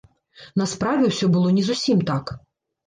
На справе ўсё было не зусім так.